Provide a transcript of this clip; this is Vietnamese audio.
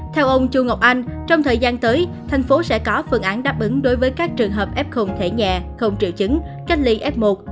theo ông chu ngọc anh trong thời gian tới thành phố sẽ có phương án đáp ứng đối với các trường hợp f thể nhẹ không triệu chứng cách ly f một